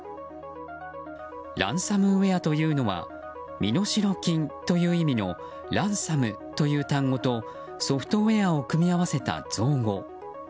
ランサムウェアというのは身代金という意味のランサムという単語とソフトウェアを組み合わせた造語。